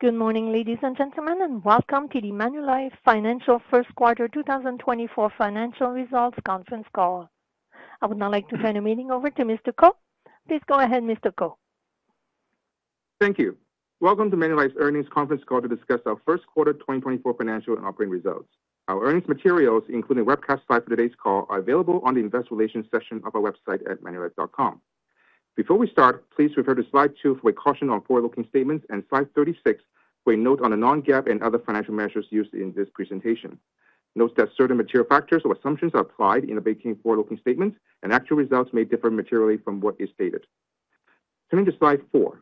Good morning, ladies and gentlemen, and welcome to the Manulife Financial First Quarter 2024 Financial Results Conference Call. I would now like to turn the meeting over to Mr. Ko. Please go ahead, Mr. Ko. Thank you. Welcome to Manulife's earnings conference call to discuss our first quarter 2024 financial and operating results. Our earnings materials, including webcast slides for today's call, are available on the Investor Relations section of our website at manulife.com. Before we start, please refer to slide two for a caution on forward-looking statements and slide 36 for a note on the non-GAAP and other financial measures used in this presentation. Note that certain material factors or assumptions are applied in the making forward-looking statements, and actual results may differ materially from what is stated. Turning to slide four,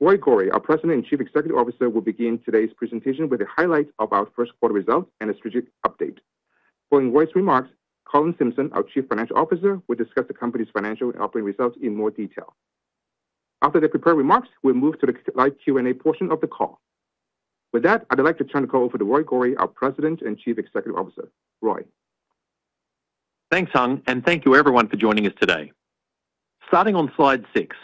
Roy Gori, our President and Chief Executive Officer, will begin today's presentation with a highlight of our first quarter results and a strategic update. Following Roy's remarks, Colin Simpson, our Chief Financial Officer, will discuss the company's financial and operating results in more detail. After their prepared remarks, we'll move to the live Q&A portion of the call. With that, I'd like to turn the call over to Roy Gori, our President and Chief Executive Officer. Roy. Thanks, Hung, and thank you, everyone, for joining us today. Starting on slide six,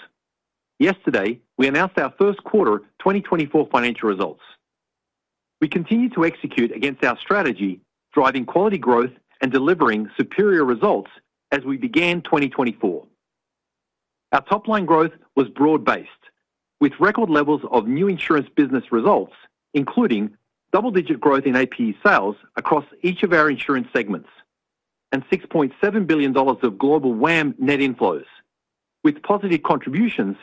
yesterday we announced our first quarter 2024 financial results. We continue to execute against our strategy, driving quality growth and delivering superior results as we began 2024. Our top-line growth was broad-based, with record levels of new insurance business results, including double-digit growth in APE sales across each of our insurance segments, and 6.7 billion dollars of global WAM net inflows, with positive contributions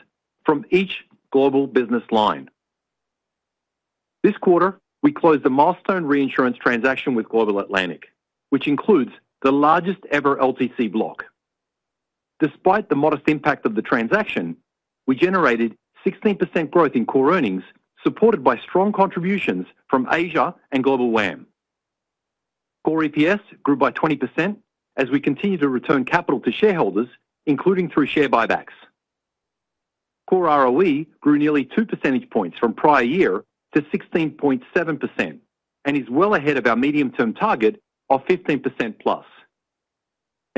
from each global business line. This quarter, we closed a milestone reinsurance transaction with Global Atlantic, which includes the largest-ever LTC block. Despite the modest impact of the transaction, we generated 16% growth in core earnings, supported by strong contributions from Asia and global WAM. Core EPS grew by 20% as we continue to return capital to shareholders, including through share buybacks. Core ROE grew nearly two percentage points from prior year to 16.7%, and is well ahead of our medium-term target of 15% plus.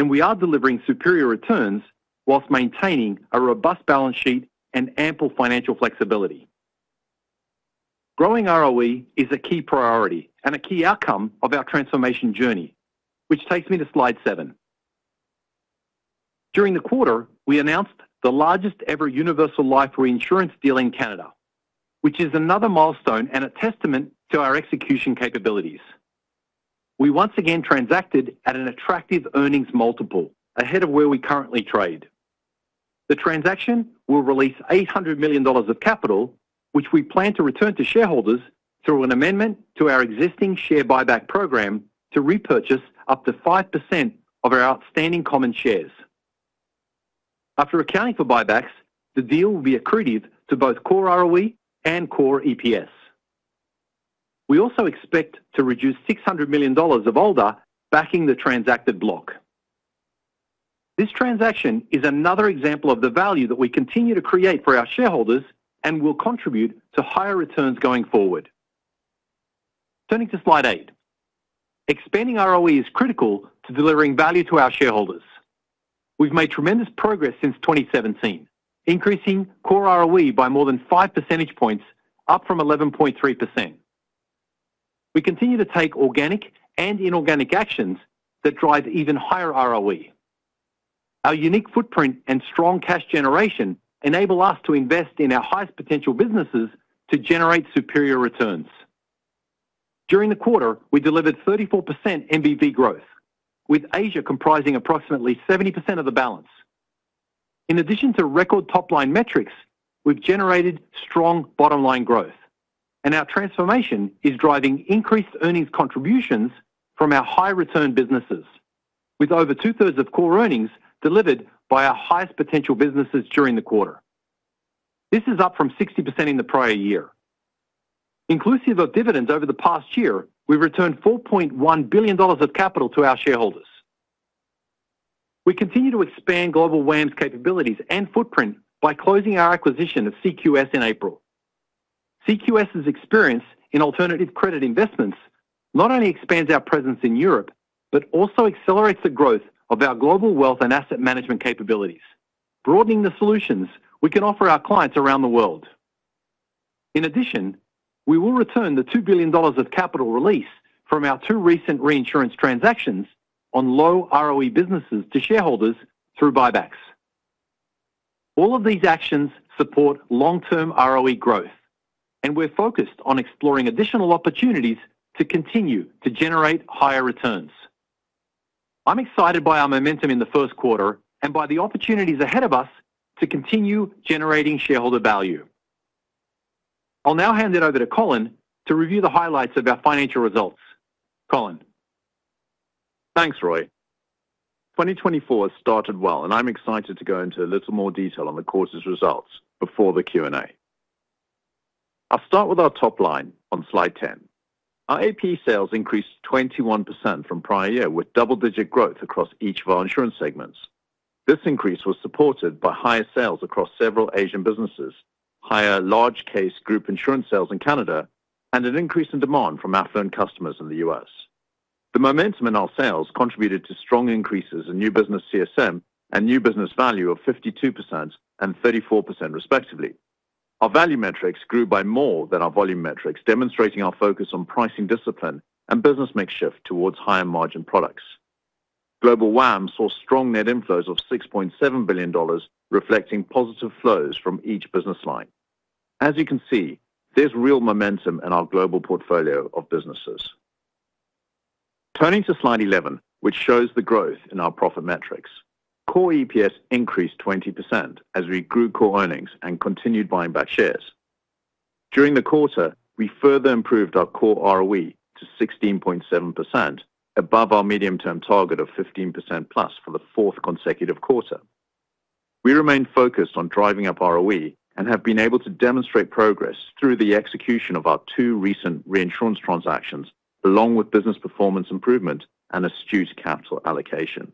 We are delivering superior returns while maintaining a robust balance sheet and ample financial flexibility. Growing ROE is a key priority and a key outcome of our transformation journey, which takes me to slide seven. During the quarter, we announced the largest-ever universal life reinsurance deal in Canada, which is another milestone and a testament to our execution capabilities. We once again transacted at an attractive earnings multiple, ahead of where we currently trade. The transaction will release 800 million dollars of capital, which we plan to return to shareholders through an amendment to our existing share buyback program to repurchase up to 5% of our outstanding common shares. After accounting for buybacks, the deal will be accretive to both core ROE and core EPS. We also expect to reduce 600 million dollars of ALDA backing the transacted block. This transaction is another example of the value that we continue to create for our shareholders and will contribute to higher returns going forward. Turning to slide eight, expanding ROE is critical to delivering value to our shareholders. We've made tremendous progress since 2017, increasing core ROE by more than 5 percentage points, up from 11.3%. We continue to take organic and inorganic actions that drive even higher ROE. Our unique footprint and strong cash generation enable us to invest in our highest-potential businesses to generate superior returns. During the quarter, we delivered 34% NBV growth, with Asia comprising approximately 70% of the balance. In addition to record top-line metrics, we've generated strong bottom-line growth, and our transformation is driving increased earnings contributions from our high-return businesses, with over two-thirds of core earnings delivered by our highest-potential businesses during the quarter. This is up from 60% in the prior year. Inclusive of dividends over the past year, we've returned 4.1 billion dollars of capital to our shareholders. We continue to expand global WAM's capabilities and footprint by closing our acquisition of CQS in April. CQS's experience in alternative credit investments not only expands our presence in Europe but also accelerates the growth of our global wealth and asset management capabilities, broadening the solutions we can offer our clients around the world. In addition, we will return the 2 billion dollars of capital release from our two recent reinsurance transactions on low ROE businesses to shareholders through buybacks. All of these actions support long-term ROE growth, and we're focused on exploring additional opportunities to continue to generate higher returns. I'm excited by our momentum in the first quarter and by the opportunities ahead of us to continue generating shareholder value. I'll now hand it over to Colin to review the highlights of our financial results. Colin. Thanks, Roy. 2024 started well, and I'm excited to go into a little more detail on the quarter's results before the Q&A. I'll start with our top line on slide 10. Our APE sales increased 21% from prior year, with double-digit growth across each of our insurance segments. This increase was supported by higher sales across several Asian businesses, higher large-case group insurance sales in Canada, and an increase in demand from our affluent customers in the U.S. The momentum in our sales contributed to strong increases in new business CSM and new business value of 52% and 34%, respectively. Our value metrics grew by more than our volume metrics, demonstrating our focus on pricing discipline and business mix shift towards higher-margin products. Global WAM saw strong net inflows of 6.7 billion dollars, reflecting positive flows from each business line. As you can see, there's real momentum in our global portfolio of businesses. Turning to slide 11, which shows the growth in our profit metrics. Core EPS increased 20% as we grew core earnings and continued buying back shares. During the quarter, we further improved our core ROE to 16.7%, above our medium-term target of 15%+ for the fourth consecutive quarter. We remain focused on driving up ROE and have been able to demonstrate progress through the execution of our two recent reinsurance transactions, along with business performance improvement and astute capital allocation.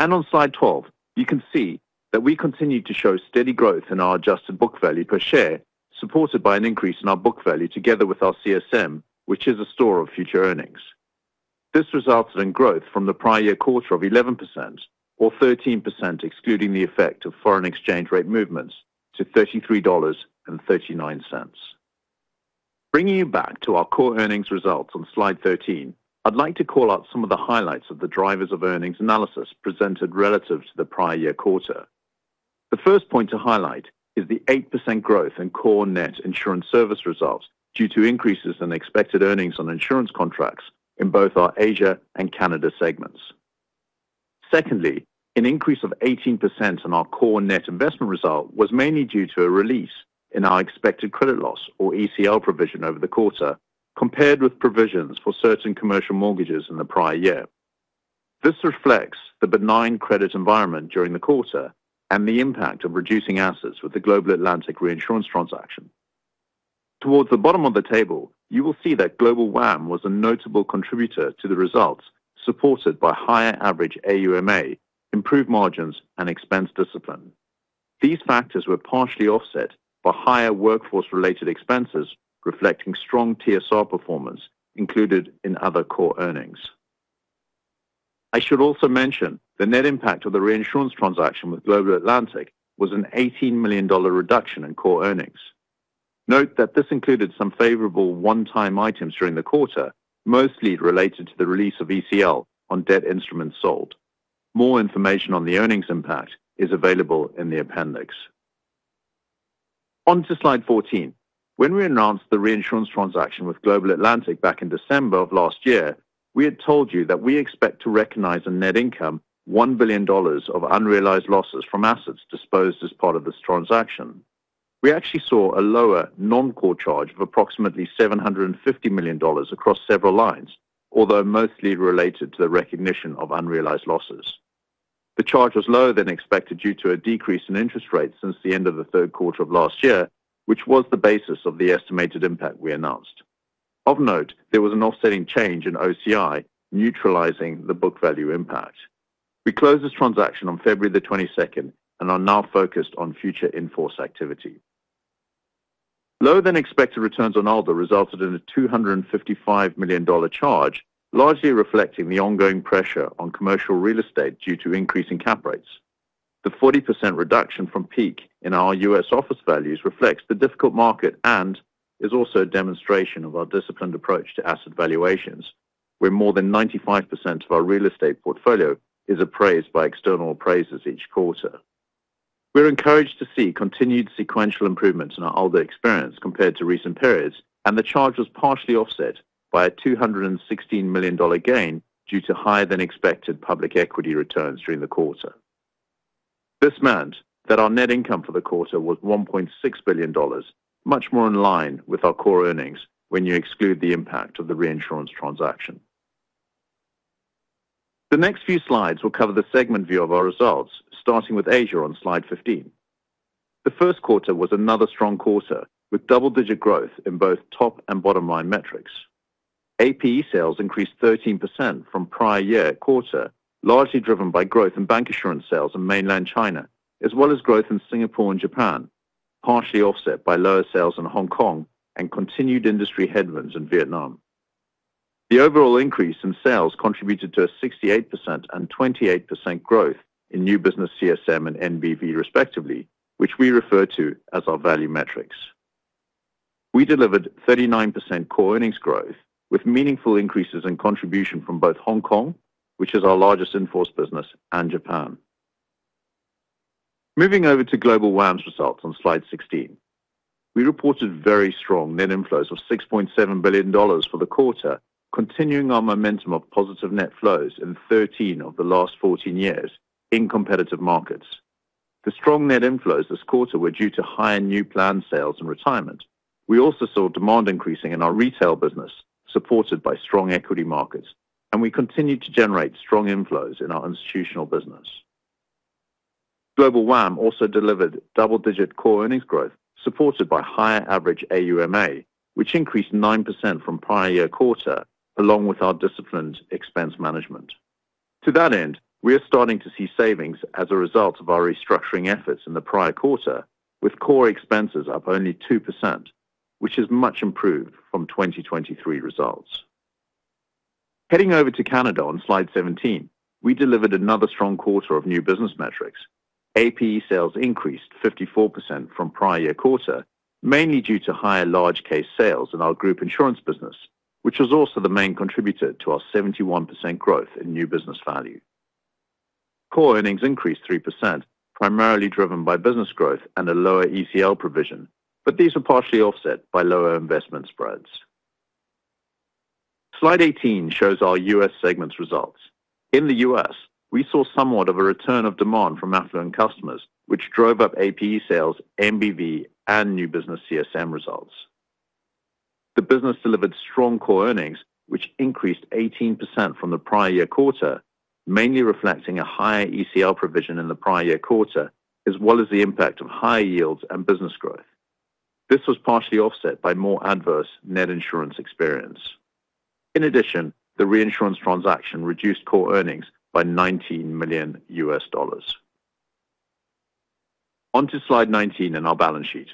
On slide 12, you can see that we continue to show steady growth in our adjusted book value per share, supported by an increase in our book value together with our CSM, which is a store of future earnings. This resulted in growth from the prior year quarter of 11%, or 13% excluding the effect of foreign exchange rate movements, to 33.39 dollars. Bringing you back to our core earnings results on slide 13, I'd like to call out some of the highlights of the drivers of earnings analysis presented relative to the prior year quarter. The first point to highlight is the 8% growth in core net insurance service results due to increases in expected earnings on insurance contracts in both our Asia and Canada segments. Secondly, an increase of 18% in our core net investment result was mainly due to a release in our expected credit loss, or ECL, provision over the quarter, compared with provisions for certain commercial mortgages in the prior year. This reflects the benign credit environment during the quarter and the impact of reducing assets with the Global Atlantic reinsurance transaction. Towards the bottom of the table, you will see that Global WAM was a notable contributor to the results, supported by higher average AUMA, improved margins, and expense discipline. These factors were partially offset by higher workforce-related expenses, reflecting strong TSR performance, included in other core earnings. I should also mention the net impact of the reinsurance transaction with Global Atlantic was an 18 million dollar reduction in core earnings. Note that this included some favorable one-time items during the quarter, mostly related to the release of ECL on debt instruments sold. More information on the earnings impact is available in the appendix. On to slide 14. When we announced the reinsurance transaction with Global Atlantic back in December of last year, we had told you that we expect to recognize a net income of 1 billion dollars of unrealized losses from assets disposed as part of this transaction. We actually saw a lower non-core charge of approximately 750 million dollars across several lines, although mostly related to the recognition of unrealized losses. The charge was lower than expected due to a decrease in interest rates since the end of the third quarter of last year, which was the basis of the estimated impact we announced. Of note, there was an offsetting change in OCI, neutralizing the book value impact. We closed this transaction on February the 22nd and are now focused on future in-force activity. Lower than expected returns on ALDA resulted in a 255 million dollar charge, largely reflecting the ongoing pressure on commercial real estate due to increasing cap rates. The 40% reduction from peak in our U.S. office values reflects the difficult market and is also a demonstration of our disciplined approach to asset valuations, where more than 95% of our real estate portfolio is appraised by external appraisers each quarter. We're encouraged to see continued sequential improvements in our ALDA experience compared to recent periods, and the charge was partially offset by a 216 million dollar gain due to higher than expected public equity returns during the quarter. This meant that our net income for the quarter was 1.6 billion dollars, much more in line with our core earnings when you exclude the impact of the reinsurance transaction. The next few slides will cover the segment view of our results, starting with Asia on slide 15. The first quarter was another strong quarter, with double-digit growth in both top and bottom-line metrics. APE sales increased 13% from prior-year quarter, largely driven by growth in bancassurance sales in Mainland China, as well as growth in Singapore and Japan, partially offset by lower sales in Hong Kong and continued industry headwinds in Vietnam. The overall increase in sales contributed to a 68% and 28% growth in new business CSM and NBV, respectively, which we refer to as our value metrics. We delivered 39% core earnings growth, with meaningful increases in contribution from both Hong Kong, which is our largest in-force business, and Japan. Moving over to Global WAM's results on slide 16. We reported very strong net inflows of 6.7 billion dollars for the quarter, continuing our momentum of positive net flows in 13 of the last 14 years in competitive markets. The strong net inflows this quarter were due to higher new plan sales and retirement. We also saw demand increasing in our retail business, supported by strong equity markets, and we continued to generate strong inflows in our institutional business. Global WAM also delivered double-digit core earnings growth, supported by higher average AUMA, which increased 9% from prior-year quarter, along with our disciplined expense management. To that end, we are starting to see savings as a result of our restructuring efforts in the prior quarter, with core expenses up only 2%, which is much improved from 2023 results. Heading over to Canada on slide 17, we delivered another strong quarter of new business metrics. APE sales increased 54% from prior-year quarter, mainly due to higher large-case sales in our group insurance business, which was also the main contributor to our 71% growth in new business value. Core earnings increased 3%, primarily driven by business growth and a lower ECL provision, but these were partially offset by lower investment spreads. Slide 18 shows our US segment's results. In the US, we saw somewhat of a return of demand from affluent customers, which drove up APE sales, MVV, and new business CSM results. The business delivered strong core earnings, which increased 18% from the prior year quarter, mainly reflecting a higher ECL provision in the prior year quarter, as well as the impact of higher yields and business growth. This was partially offset by more adverse net insurance experience. In addition, the reinsurance transaction reduced core earnings by CAD 19 million. On to slide 19 in our balance sheet.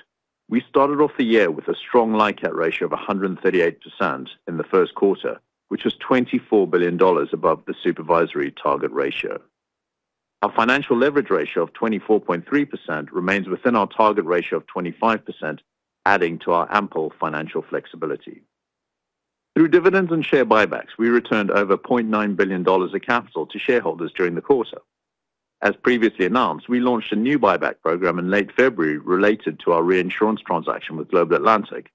We started off the year with a strong LICAT ratio of 138% in the first quarter, which was 24 billion dollars above the supervisory target ratio. Our financial leverage ratio of 24.3% remains within our target ratio of 25%, adding to our ample financial flexibility. Through dividends and share buybacks, we returned over 0.9 billion dollars of capital to shareholders during the quarter. As previously announced, we launched a new buyback program in late February related to our reinsurance transaction with Global Atlantic.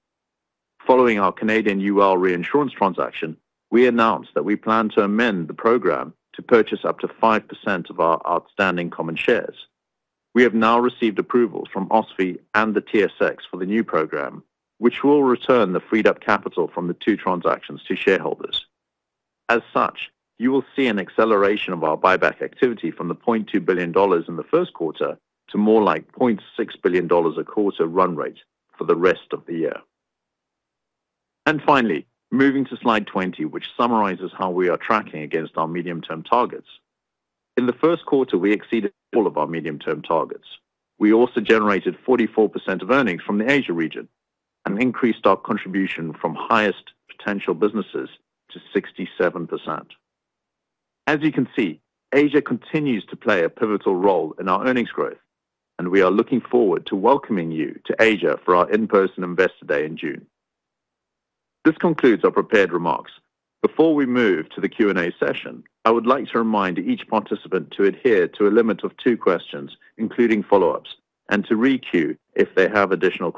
Following our Canadian UL reinsurance transaction, we announced that we plan to amend the program to purchase up to 5% of our outstanding common shares. We have now received approvals from OSFI and the TSX for the new program, which will return the freed-up capital from the two transactions to shareholders. As such, you will see an acceleration of our buyback activity from 0.2 billion dollars in the first quarter to more like 0.6 billion dollars a quarter run rate for the rest of the year. Finally, moving to slide 20, which summarizes how we are tracking against our medium-term targets. In the first quarter, we exceeded all of our medium-term targets. We also generated 44% of earnings from the Asia region and increased our contribution from highest potential businesses to 67%. As you can see, Asia continues to play a pivotal role in our earnings growth, and we are looking forward to welcoming you to Asia for our In-Person Investor Day in June. This concludes our prepared remarks. Before we move to the Q&A session, I would like to remind each participant to adhere to a limit of two questions, including follow-ups, and to re-queue if they have additional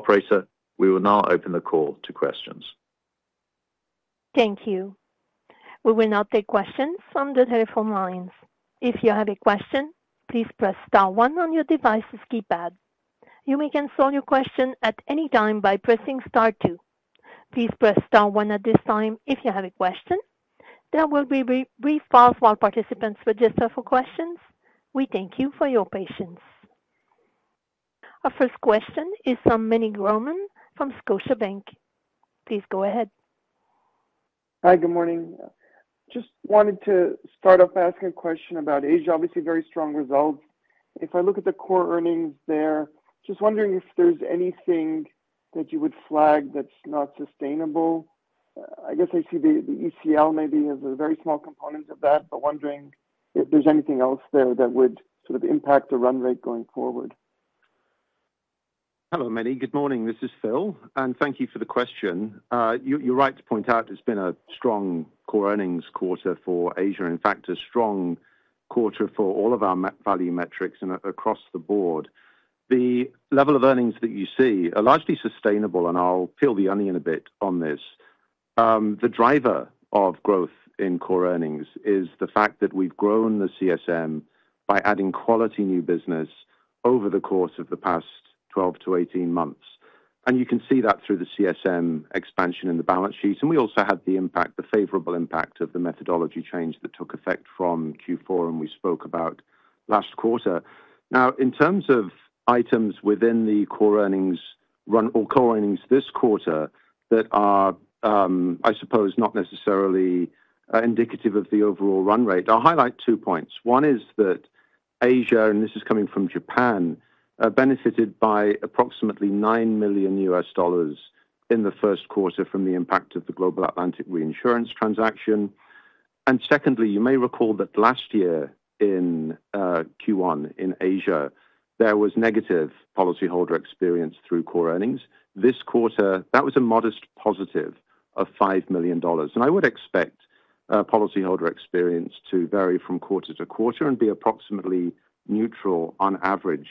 questions. Operator, we will now open the call to questions. Thank you. We will not take questions from the telephone lines. If you have a question, please press star 1 on your device's keypad. You may answer your question at any time by pressing star 2. Please press star 1 at this time if you have a question. There will be brief pauses while participants register for questions. We thank you for your patience. Our first question is from Meny Grauman from Scotiabank. Please go ahead. Hi. Good morning. Just wanted to start off asking a question about Asia, obviously very strong results. If I look at the core earnings there, just wondering if there's anything that you would flag that's not sustainable. I guess I see the ECL maybe as a very small component of that, but wondering if there's anything else there that would sort of impact the run rate going forward? Hello, Meny. Good morning. This is Phil. And thank you for the question. You're right to point out it's been a strong core earnings quarter for Asia and, in fact, a strong quarter for all of our value metrics across the board. The level of earnings that you see are largely sustainable, and I'll peel the onion a bit on this. The driver of growth in core earnings is the fact that we've grown the CSM by adding quality new business over the course of the past 12 to 18 months. And you can see that through the CSM expansion in the balance sheet. And we also had the impact, the favorable impact of the methodology change that took effect from Q4, and we spoke about last quarter. Now, in terms of items within the core earnings run or core earnings this quarter that are, I suppose, not necessarily indicative of the overall run rate, I'll highlight two points. One is that Asia, and this is coming from Japan, benefited by approximately $9 million in the first quarter from the impact of the Global Atlantic reinsurance transaction. Secondly, you may recall that last year in Q1 in Asia, there was negative policyholder experience through core earnings. This quarter, that was a modest + 5 million dollars. I would expect policyholder experience to vary from quarter-to-quarter and be approximately neutral on average.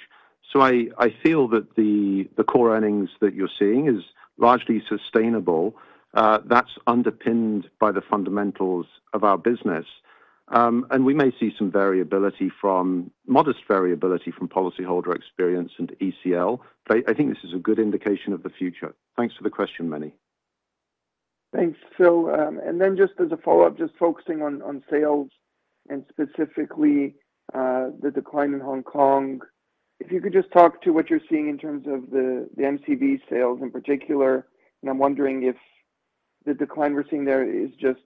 So I feel that the core earnings that you're seeing is largely sustainable. That's underpinned by the fundamentals of our business. We may see some variability from modest variability from policyholder experience and ECL. But I think this is a good indication of the future. Thanks for the question, Meny. Thanks, Phil. And then just as a follow-up, just focusing on sales and specifically the decline in Hong Kong, if you could just talk to what you're seeing in terms of the MCV sales in particular? And I'm wondering if the decline we're seeing there is just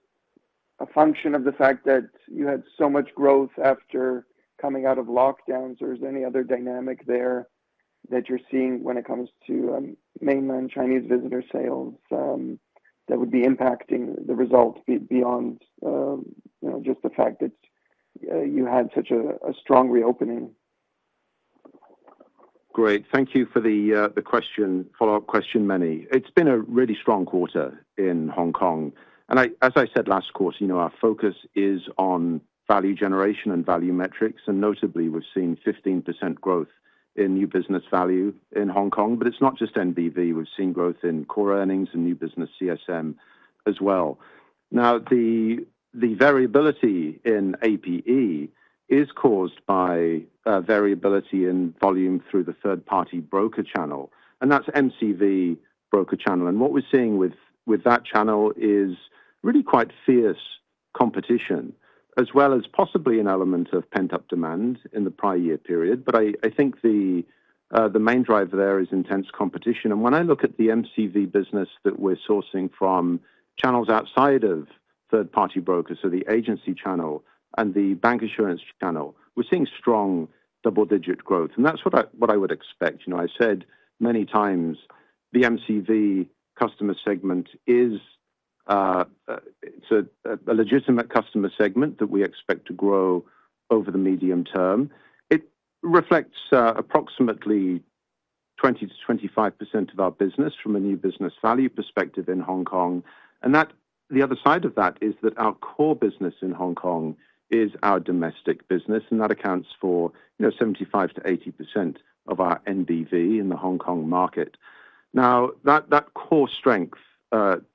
a function of the fact that you had so much growth after coming out of lockdowns, or is there any other dynamic there that you're seeing when it comes to mainland Chinese visitor sales that would be impacting the results beyond just the fact that you had such a strong reopening? Great. Thank you for the follow-up question, Meny. It's been a really strong quarter in Hong Kong. As I said last quarter, our focus is on value generation and value metrics. Notably, we've seen 15% growth in new business value in Hong Kong. But it's not just NBV. We've seen growth in core earnings and new business CSM as well. Now, the variability in APE is caused by variability in volume through the third-party broker channel. That's MCV broker channel. What we're seeing with that channel is really quite fierce competition, as well as possibly an element of pent-up demand in the prior year period. But I think the main driver there is intense competition. When I look at the MCV business that we're sourcing from channels outside of third-party brokers, so the agency channel and the bank assurance channel, we're seeing strong double-digit growth. That's what I would expect. I said many times the MCV customer segment it's a legitimate customer segment that we expect to grow over the medium term. It reflects approximately 20%-25% of our business from a new business value perspective in Hong Kong. The other side of that is that our core business in Hong Kong is our domestic business. And that accounts for 75%-80% of our NBV in the Hong Kong market. Now, that core strength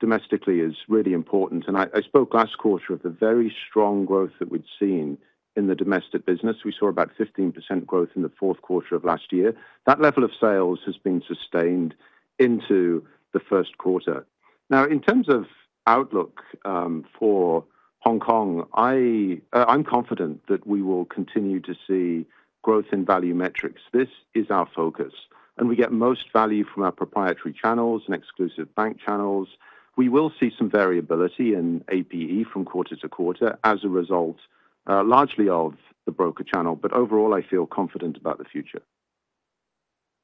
domestically is really important. I spoke last quarter of the very strong growth that we'd seen in the domestic business. We saw about 15% growth in the fourth quarter of last year. That level of sales has been sustained into the first quarter. Now, in terms of outlook for Hong Kong, I'm confident that we will continue to see growth in value metrics. This is our focus. We get most value from our proprietary channels and exclusive bank channels. We will see some variability in APE from quarter-to-quarter as a result, largely of the broker channel. Overall, I feel confident about the future.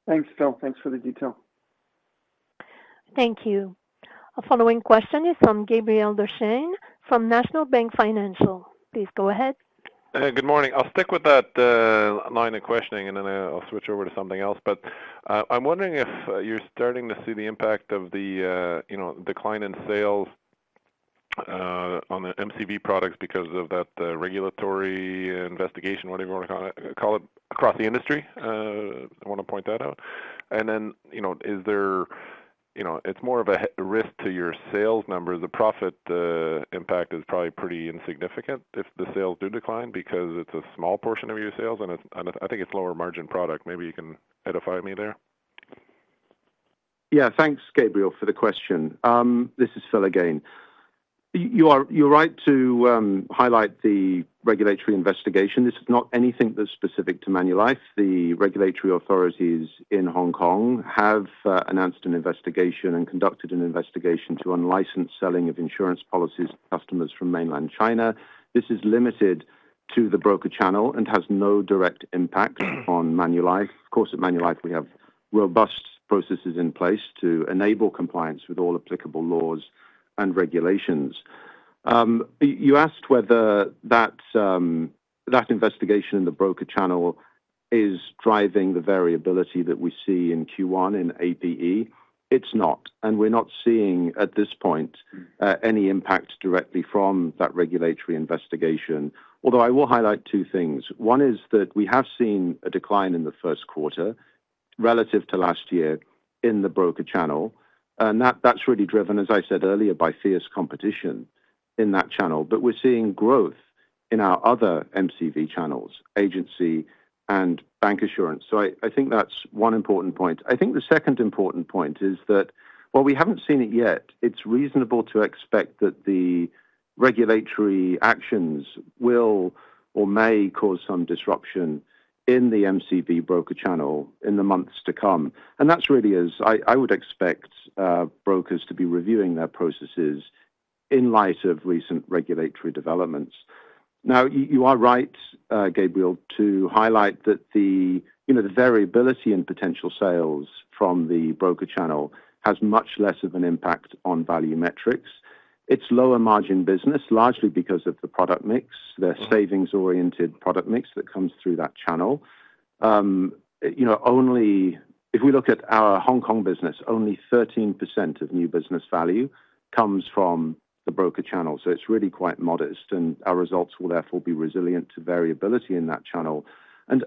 Thanks, Phil. Thanks for the detail. Thank you. The following question is from Gabriel Dechaine from National Bank Financial. Please go ahead. Good morning. I'll stick with that line of questioning, and then I'll switch over to something else. But I'm wondering if you're starting to see the impact of the decline in sales on the MCV products because of that regulatory investigation, whatever you want to call it, across the industry. I want to point that out. And then, is there it's more of a risk to your sales numbers. The profit impact is probably pretty insignificant if the sales do decline because it's a small portion of your sales, and I think it's lower margin product. Maybe you can edify me there. Yeah. Thanks, Gabriel, for the question. This is Phil again. You're right to highlight the regulatory investigation. This is not anything that's specific to Manulife. The regulatory authorities in Hong Kong have announced an investigation and conducted an investigation to unlicense selling of insurance policies to customers from Mainland China. This is limited to the broker channel and has no direct impact on Manulife. Of course, at Manulife, we have robust processes in place to enable compliance with all applicable laws and regulations. You asked whether that investigation in the broker channel is driving the variability that we see in Q1 in APE. It's not. And we're not seeing at this point any impact directly from that regulatory investigation. Although I will highlight two things. One is that we have seen a decline in the first quarter relative to last year in the broker channel. And that's really driven, as I said earlier, by fierce competition in that channel. But we're seeing growth in our other MCV channels, agency and bank assurance. So I think that's one important point. I think the second important point is that, while we haven't seen it yet, it's reasonable to expect that the regulatory actions will or may cause some disruption in the MCV broker channel in the months to come. And that's really as I would expect brokers to be reviewing their processes in light of recent regulatory developments. Now, you are right, Gabriel, to highlight that the variability in potential sales from the broker channel has much less of an impact on value metrics. It's lower margin business, largely because of the product mix, their savings-oriented product mix that comes through that channel. Only if we look at our Hong Kong business, only 13% of new business value comes from the broker channel. So it's really quite modest. Our results will therefore be resilient to variability in that channel.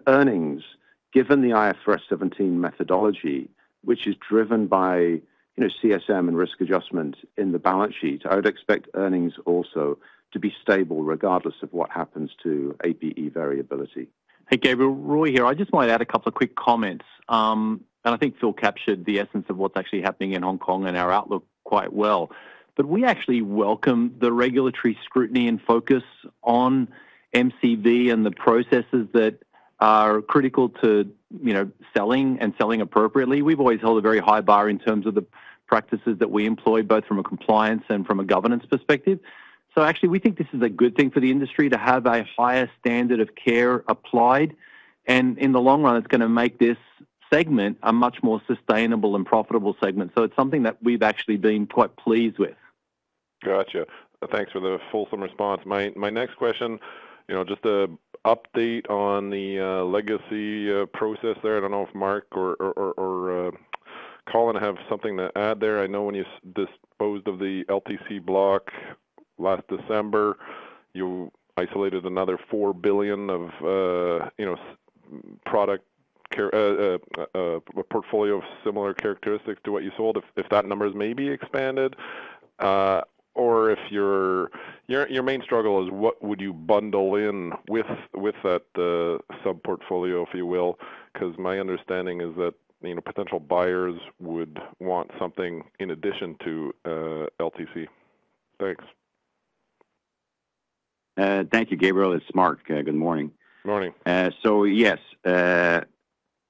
Earnings, given the IFRS 17 methodology, which is driven by CSM and risk adjustment in the balance sheet, I would expect earnings also to be stable regardless of what happens to APE variability. Hey, Gabriel. Roy here. I just want to add a couple of quick comments. I think Phil captured the essence of what's actually happening in Hong Kong and our outlook quite well. We actually welcome the regulatory scrutiny and focus on MCV and the processes that are critical to selling and selling appropriately. We've always held a very high bar in terms of the practices that we employ, both from a compliance and from a governance perspective. Actually, we think this is a good thing for the industry to have a higher standard of care applied. In the long run, it's going to make this segment a much more sustainable and profitable segment. It's something that we've actually been quite pleased with. Gotcha. Thanks for the fulsome response. My next question, just an update on the legacy process there. I don't know if Marc or Colin have something to add there. I know when you disposed of the LTC block last December, you isolated another 4 billion of product care, a portfolio of similar characteristics to what you sold, if that number is maybe expanded. Or if your main struggle is what would you bundle in with that subportfolio, if you will, because my understanding is that potential buyers would want something in addition to LTC. Thanks. Thank you, Gabriel. It's Marc. Good morning. Morning. So yes.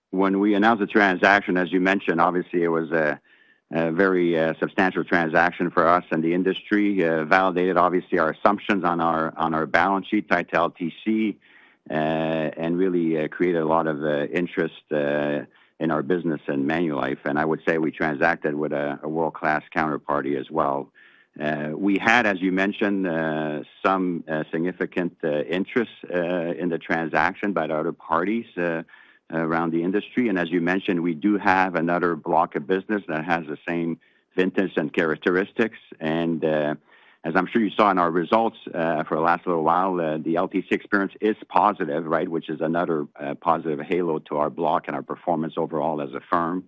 When we announced the transaction, as you mentioned, obviously, it was a very substantial transaction for us and the industry, validated, obviously, our assumptions on our balance sheet, tail LTC, and really created a lot of interest in our business and Manulife. And I would say we transacted with a world-class counterparty as well. We had, as you mentioned, some significant interest in the transaction by the other parties around the industry. And as you mentioned, we do have another block of business that has the same vintage and characteristics. And as I'm sure you saw in our results for the last little while, the LTC experience is positive, right, which is another positive halo to our block and our performance overall as a firm.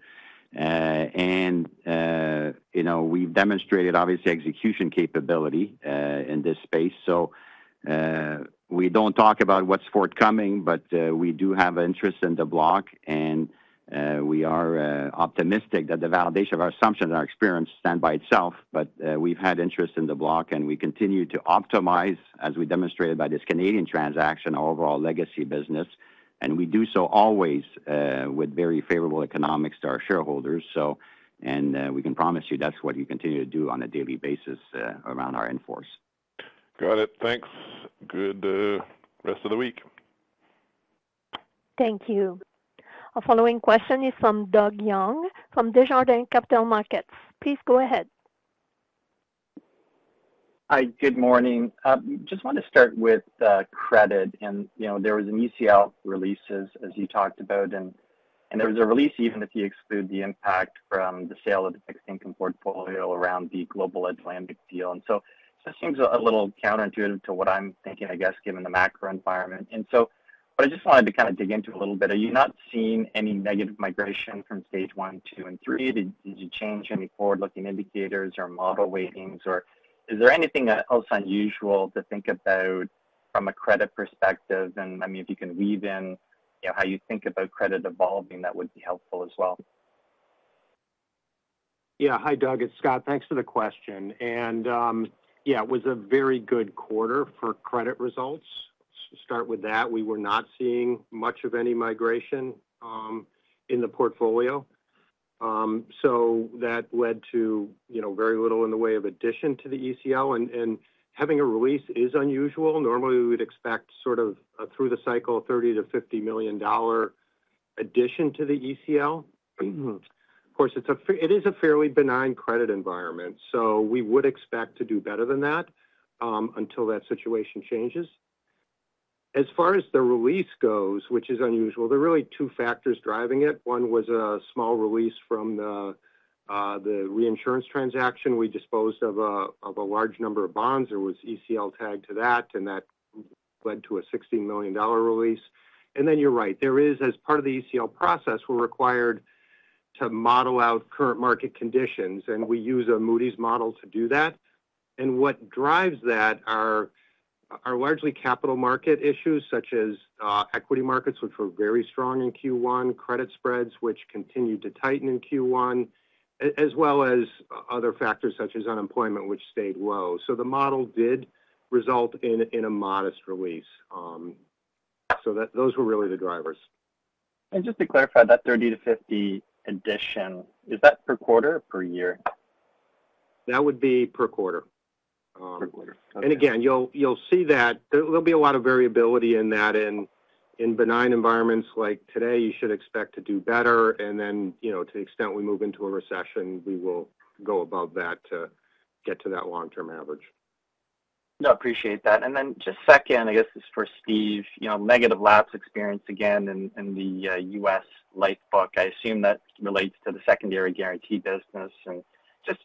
And we've demonstrated, obviously, execution capability in this space. So we don't talk about what's forthcoming, but we do have an interest in the block. And we are optimistic that the validation of our assumptions and our experience stand by itself. But we've had interest in the block, and we continue to optimize, as we demonstrated by this Canadian transaction, our overall legacy business. And we do so always with very favorable economics to our shareholders. And we can promise you that's what we continue to do on a daily basis around our in-force. Got it. Thanks. Good rest of the week. Thank you. A following question is from Doug Young from Desjardins Capital Markets. Please go ahead. Hi. Good morning. Just want to start with credit. There was an ECL release, as you talked about. There was a release even if you exclude the impact from the sale of the fixed income portfolio around the Global Atlantic deal. This seems a little counterintuitive to what I'm thinking, I guess, given the macro environment. What I just wanted to kind of dig into a little bit, are you not seeing any negative migration from stage one, two, and three? Did you change any forward-looking indicators or model weightings? Or is there anything else unusual to think about from a credit perspective? I mean, if you can weave in how you think about credit evolving, that would be helpful as well. Yeah. Hi, Doug. It's Scott. Thanks for the question. And yeah, it was a very good quarter for credit results. Let's start with that. We were not seeing much of any migration in the portfolio. So that led to very little in the way of addition to the ECL. And having a release is unusual. Normally, we would expect sort of through the cycle, 30 million-50 million dollar addition to the ECL. Of course, it is a fairly benign credit environment. So we would expect to do better than that until that situation changes. As far as the release goes, which is unusual, there are really two factors driving it. One was a small release from the reinsurance transaction. We disposed of a large number of bonds. There was ECL tagged to that, and that led to a 16 million dollar release. And then you're right. There is, as part of the ECL process, we're required to model out current market conditions. We use a Moody's model to do that. What drives that are largely capital market issues, such as equity markets, which were very strong in Q1, credit spreads, which continued to tighten in Q1, as well as other factors, such as unemployment, which stayed low. The model did result in a modest release. Those were really the drivers. Just to clarify, that 30-50 addition, is that per quarter or per year? That would be per quarter. Per quarter. Okay. And again, you'll see that there'll be a lot of variability in that. In benign environments like today, you should expect to do better. And then to the extent we move into a recession, we will go above that to get to that long-term average. No, appreciate that. And then, just second, I guess this is for Steve, negative lapse experience again in the U.S. life book. I assume that relates to the secondary guarantee business. And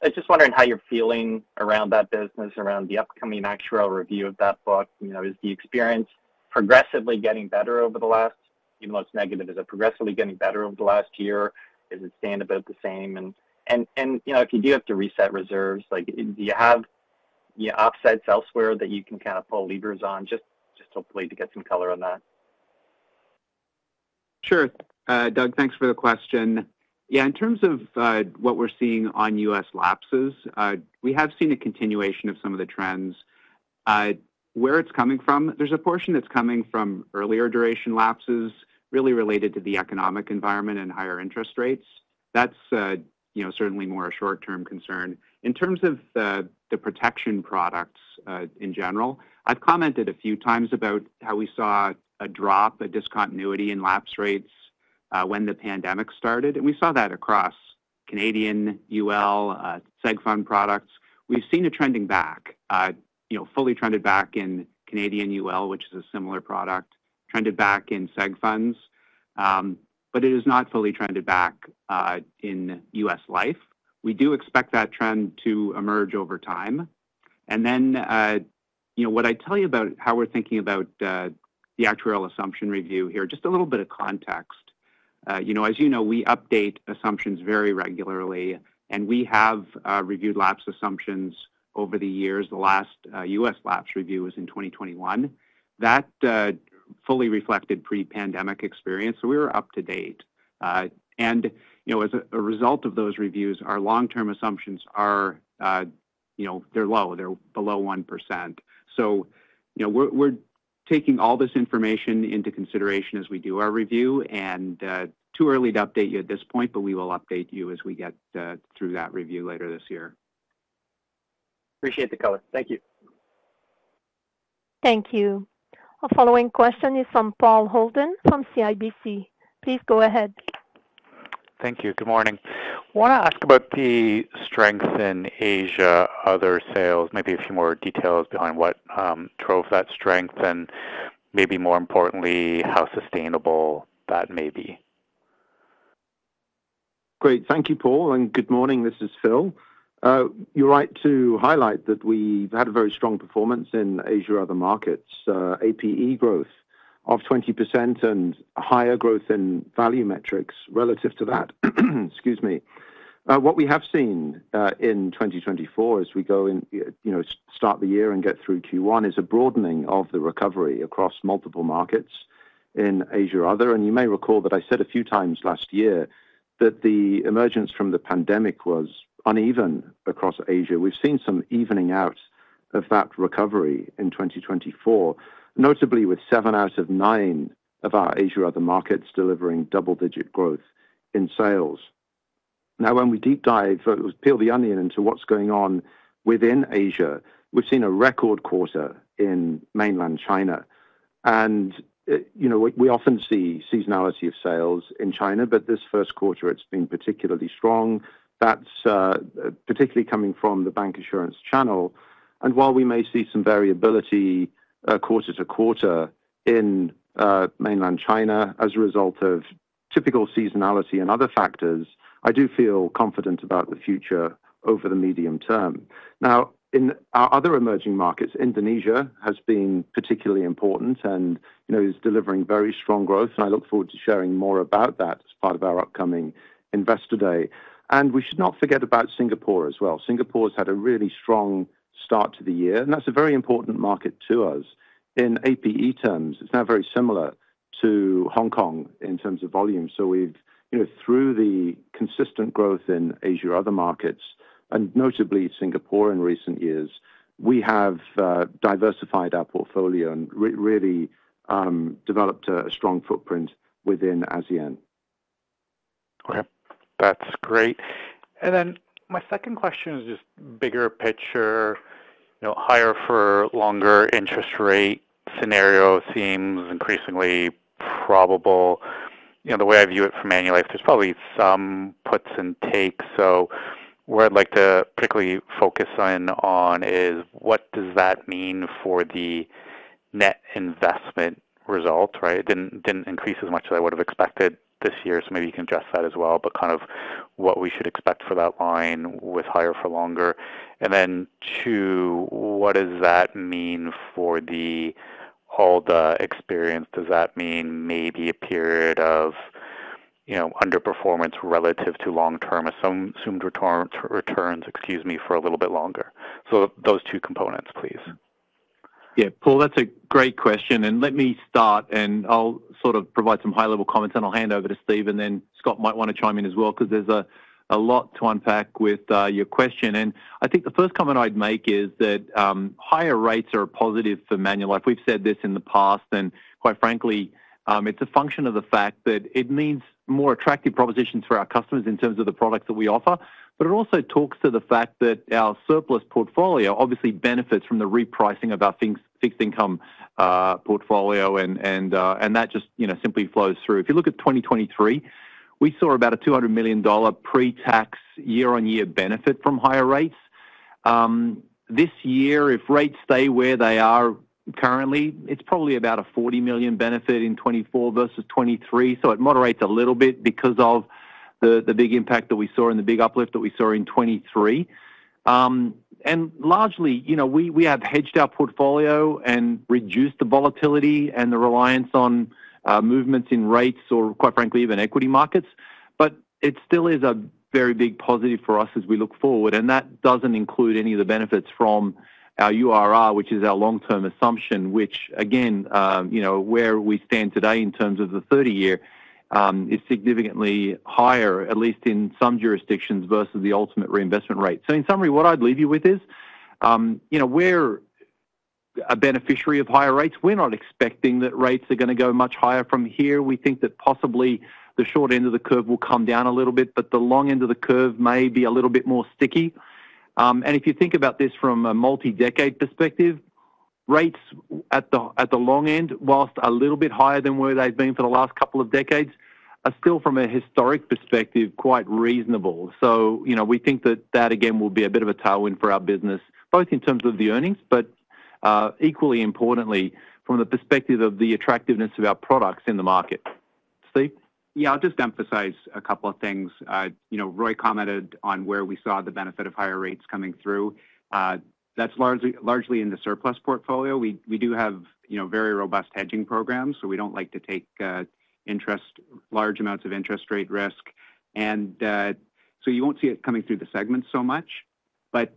I'm just wondering how you're feeling around that business, around the upcoming actual review of that book. Is the experience progressively getting better over the last even though it's negative, is it progressively getting better over the last year? Is it standing about the same? And if you do have to reset reserves, do you have offsets elsewhere that you can kind of pull levers on, just hopefully to get some color on that? Sure, Doug. Thanks for the question. Yeah, in terms of what we're seeing on U.S. lapses, we have seen a continuation of some of the trends. Where it's coming from, there's a portion that's coming from earlier duration lapses, really related to the economic environment and higher interest rates. That's certainly more a short-term concern. In terms of the protection products in general, I've commented a few times about how we saw a drop, a discontinuity in lapse rates when the pandemic started. And we saw that across Canadian UL, SEG fund products. We've seen it trending back, fully trended back in Canadian UL, which is a similar product, trended back in SEG funds. But it is not fully trended back in US Life. We do expect that trend to emerge over time. Then what I tell you about how we're thinking about the actuarial assumption review here, just a little bit of context. As you know, we update assumptions very regularly. We have reviewed lapse assumptions over the years. The last U.S. lapse review was in 2021. That fully reflected pre-pandemic experience. So we were up to date. As a result of those reviews, our long-term assumptions, they're low. They're below 1%. So we're taking all this information into consideration as we do our review. Too early to update you at this point, but we will update you as we get through that review later this year. Appreciate the color. Thank you. Thank you. The following question is from Paul Holden from CIBC. Please go ahead. Thank you. Good morning. I want to ask about the strength in Asia other sales, maybe a few more details behind what drove that strength and maybe more importantly, how sustainable that may be. Great. Thank you, Paul. And good morning. This is Phil. You're right to highlight that we've had a very strong performance in Asia other markets, APE growth of 20% and higher growth in value metrics relative to that. Excuse me. What we have seen in 2024 as we go in start the year and get through Q1 is a broadening of the recovery across multiple markets in Asia other. And you may recall that I said a few times last year that the emergence from the pandemic was uneven across Asia. We've seen some evening out of that recovery in 2024, notably with 7 out of 9 of our Asia other markets delivering double-digit growth in sales. Now, when we deep dive, peel the onion into what's going on within Asia, we've seen a record quarter in Mainland China. We often see seasonality of sales in China, but this first quarter, it's been particularly strong. That's particularly coming from the bank assurance channel. While we may see some variability quarter-to-quarter in mainland China as a result of typical seasonality and other factors, I do feel confident about the future over the medium term. Now, in our other emerging markets, Indonesia has been particularly important and is delivering very strong growth. I look forward to sharing more about that as part of our upcoming Investor Day. We should not forget about Singapore as well. Singapore has had a really strong start to the year. That's a very important market to us. In APE terms, it's now very similar to Hong Kong in terms of volume. Through the consistent growth in Asia, other markets, and notably Singapore in recent years, we have diversified our portfolio and really developed a strong footprint within ASEAN. Okay. That's great. And then my second question is just bigger picture, higher for longer interest rate scenario seems increasingly probable. The way I view it from Manulife, there's probably some puts and takes. So where I'd like to particularly focus on is what does that mean for the net investment result, right? It didn't increase as much as I would have expected this year. So maybe you can address that as well, but kind of what we should expect for that line with higher for longer. And then two, what does that mean for all the experience? Does that mean maybe a period of underperformance relative to long-term assumed returns, excuse me, for a little bit longer? So those two components, please. Yeah, Paul, that's a great question. And let me start, and I'll sort of provide some high-level comments, and I'll hand over to Steve. And then Scott might want to chime in as well because there's a lot to unpack with your question. And I think the first comment I'd make is that higher rates are a positive for Manulife. We've said this in the past. And quite frankly, it's a function of the fact that it means more attractive propositions for our customers in terms of the products that we offer. But it also talks to the fact that our surplus portfolio obviously benefits from the repricing of our fixed income portfolio, and that just simply flows through. If you look at 2023, we saw about a 200 million dollar pre-tax year-on-year benefit from higher rates. This year, if rates stay where they are currently, it's probably about a 40 million benefit in 2024 versus 2023. It moderates a little bit because of the big impact that we saw and the big uplift that we saw in 2023. Largely, we have hedged our portfolio and reduced the volatility and the reliance on movements in rates or, quite frankly, even equity markets. It still is a very big positive for us as we look forward. That doesn't include any of the benefits from our URR, which is our long-term assumption, which, again, where we stand today in terms of the 30-year is significantly higher, at least in some jurisdictions, versus the ultimate reinvestment rate. In summary, what I'd leave you with is we're a beneficiary of higher rates. We're not expecting that rates are going to go much higher from here. We think that possibly the short end of the curve will come down a little bit, but the long end of the curve may be a little bit more sticky. And if you think about this from a multi-decade perspective, rates at the long end, whilst a little bit higher than where they've been for the last couple of decades, are still, from a historic perspective, quite reasonable. So we think that that, again, will be a bit of a tailwind for our business, both in terms of the earnings, but equally importantly, from the perspective of the attractiveness of our products in the market. Steve? Yeah, I'll just emphasize a couple of things. Roy commented on where we saw the benefit of higher rates coming through. That's largely in the surplus portfolio. We do have very robust hedging programs. So we don't like to take large amounts of interest rate risk. And so you won't see it coming through the segments so much. But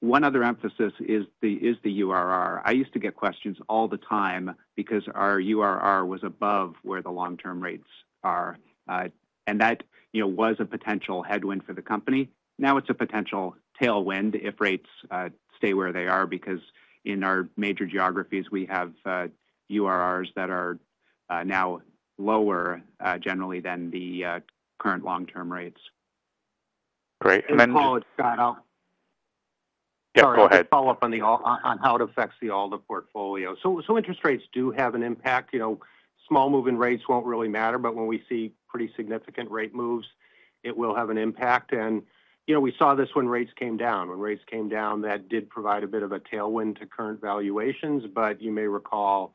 one other emphasis is the URR. I used to get questions all the time because our URR was above where the long-term rates are. And that was a potential headwind for the company. Now it's a potential tailwind if rates stay where they are because in our major geographies, we have URRs that are now lower generally than the current long-term rates. Great. And then. Paul, Scott, I'll. Yeah, go ahead. Sorry. I'll follow up on how it affects the ALDA portfolio. So interest rates do have an impact. Small-moving rates won't really matter, but when we see pretty significant rate moves, it will have an impact. And we saw this when rates came down. When rates came down, that did provide a bit of a tailwind to current valuations. But you may recall,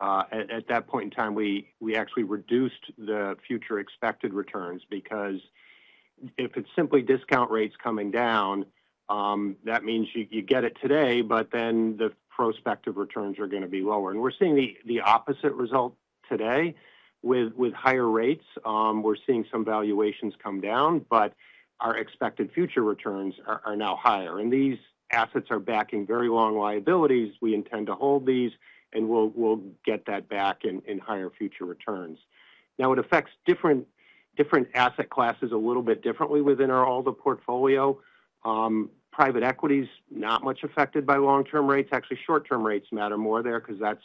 at that point in time, we actually reduced the future expected returns because if it's simply discount rates coming down, that means you get it today, but then the prospective returns are going to be lower. And we're seeing the opposite result today with higher rates. We're seeing some valuations come down, but our expected future returns are now higher. And these assets are backing very long liabilities. We intend to hold these, and we'll get that back in higher future returns. Now, it affects different asset classes a little bit differently within our ALDA portfolio. Private equities, not much affected by long-term rates. Actually, short-term rates matter more there because that's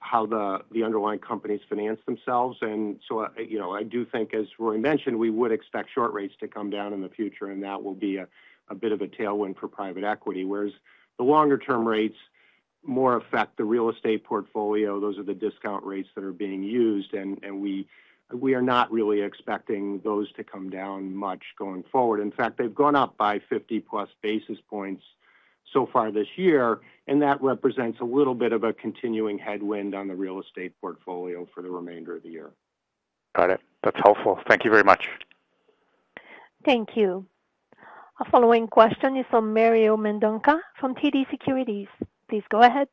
how the underlying companies finance themselves. And so I do think, as Roy mentioned, we would expect short rates to come down in the future, and that will be a bit of a tailwind for private equity. Whereas the longer-term rates more affect the real estate portfolio. Those are the discount rates that are being used. And we are not really expecting those to come down much going forward. In fact, they've gone up by 50+ plus basis points so far this year. And that represents a little bit of a continuing headwind on the real estate portfolio for the remainder of the year. Got it. That's helpful. Thank you very much. Thank you. A following question is from Mario Mendonca from TD Securities. Please go ahead.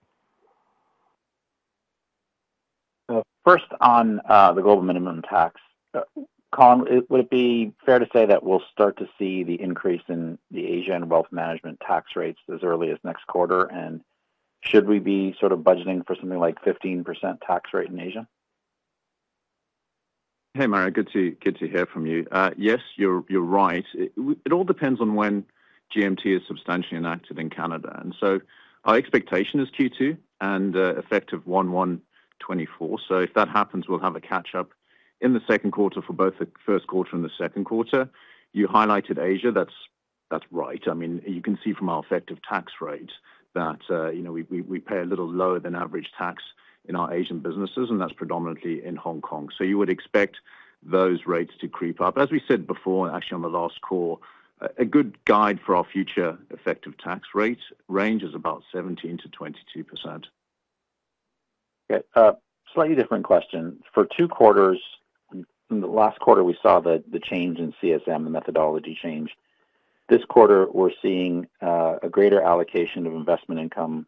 First, on the global minimum tax. Colin, would it be fair to say that we'll start to see the increase in the Asia and wealth management tax rates as early as next quarter? And should we be sort of budgeting for something like 15% tax rate in Asia? Hey, Mario. Good to hear from you. Yes, you're right. It all depends on when GMT is substantially enacted in Canada. So our expectation is Q2 and effective 1/1/2024. So if that happens, we'll have a catch-up in the second quarter for both the first quarter and the second quarter. You highlighted Asia. That's right. I mean, you can see from our effective tax rate that we pay a little lower than average tax in our Asian businesses, and that's predominantly in Hong Kong. So you would expect those rates to creep up. As we said before, actually on the last call, a good guide for our future effective tax rate range is about 17%-22%. Okay. Slightly different question. For two quarters, in the last quarter, we saw the change in CSM, the methodology change. This quarter, we're seeing a greater allocation of investment income,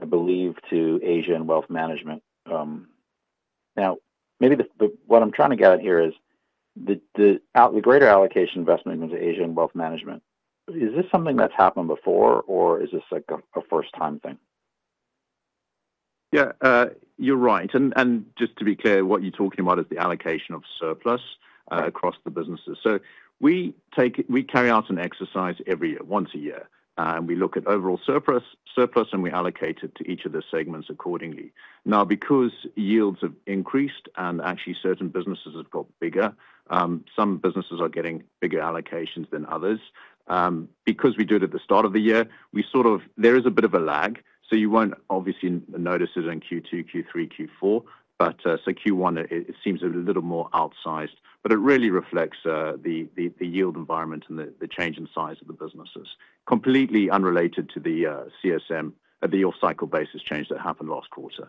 I believe, to Asia and wealth management. Now, maybe what I'm trying to get at here is the greater allocation of investment income to Asia and wealth management, is this something that's happened before, or is this a first-time thing? Yeah, you're right. And just to be clear, what you're talking about is the allocation of surplus across the businesses. So we carry out an exercise every year, once a year. And we look at overall surplus, and we allocate it to each of the segments accordingly. Now, because yields have increased and actually certain businesses have got bigger, some businesses are getting bigger allocations than others. Because we do it at the start of the year, there is a bit of a lag. So you won't obviously notice it in Q2, Q3, Q4. So Q1, it seems a little more outsized. But it really reflects the yield environment and the change in size of the businesses, completely unrelated to the CSM at the year-cycle basis change that happened last quarter.